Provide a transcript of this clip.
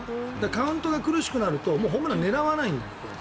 カウントが苦しくなるとホームランを狙わないんだよ。